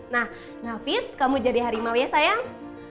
nah nafis kamu jadi harimau ya sayang